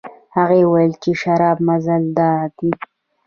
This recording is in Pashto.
هغې وویل چې شراب مزه دار دي.